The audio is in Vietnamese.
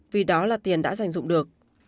vì đó là tiền đã giành dụng được